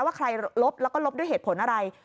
ว่าใครลบแล้วก็ลบด้วยเหตุผลอะไร